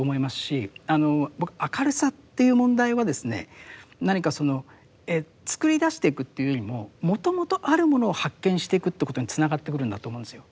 僕明るさっていう問題はですね何か作り出していくっていうよりももともとあるものを発見していくということにつながってくるんだと思うんですよ。